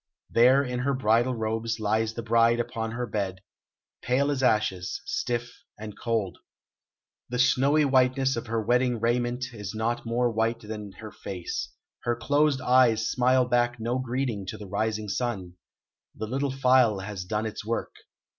There in her bridal robes lies the bride upon her bed, pale as ashes, stiff and cold. The snowy whiteness of her wedding raiment is not more white than her face; her closed eyes smile back no greeting to the rising sun. The little phial has done its work.